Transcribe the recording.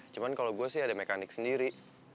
cuman kalo gue sih ada mekanik sendiri